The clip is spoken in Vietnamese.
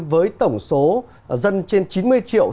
với tổng số dân trên chín mươi triệu